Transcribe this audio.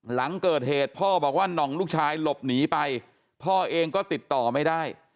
หลังเกิดเหตุพ่อบอกว่าน่องลูกชายหลบหนีไปพ่อเองก็ติดต่อไม่ได้